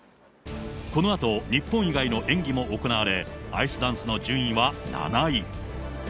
このあと日本以外の演技も行われ、アイスダンスの順位は７位。